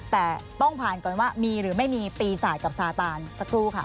แต่ต้องผ่านก่อนว่ามีหรือไม่มีปีศาจกับซาตานสักครู่ค่ะ